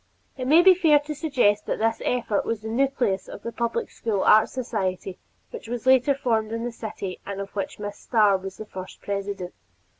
It may be fair to suggest that this effort was the nucleus of the Public School Art Society which was later formed in the city and of which Miss Starr was the first president.